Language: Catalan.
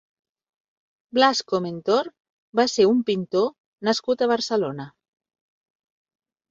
Blasco Mentor va ser un pintor nascut a Barcelona.